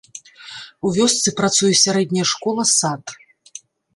У вёсцы працуе сярэдняя школа-сад.